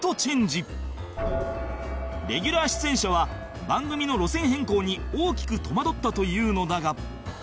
レギュラー出演者は番組の路線変更に大きく戸惑ったというのだが